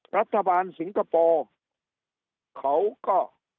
รัฐบาลสิงคโปร์เขาก็